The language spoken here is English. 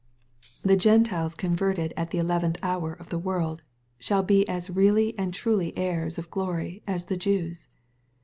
The Gentiles converted at "the eleventh hour*' of the world, shall be as really and truly heirs of glory as the Jews.